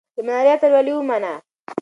د ملالۍ اتلولي ومنه.